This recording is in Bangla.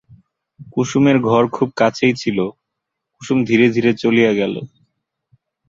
কুসুমের ঘর খুব কাছেই ছিল, কুসুম ধীরে ধীরে চলিয়া গেল।